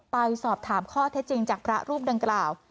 ไปสอบถามข้อเท็จจริงจากพระรูปดังกล่าว